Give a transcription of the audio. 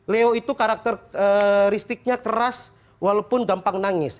leo itu karakteristiknya keras walaupun gampang nangis